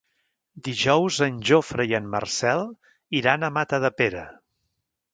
Dijous en Jofre i en Marcel iran a Matadepera.